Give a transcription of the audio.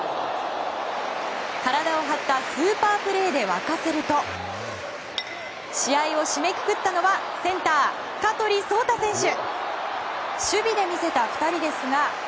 体を張ったスーパープレーで沸かせると試合を締めくくったのはセンター、香取蒼太選手！